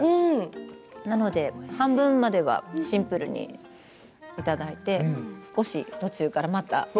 なので半分まではシンプルにいただいて少し途中からまた。